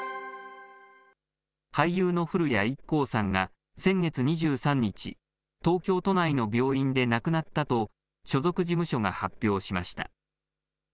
俳優の古谷一行さんが、先月２３日、東京都内の病院で亡くなったと、所属事務所が発表しました。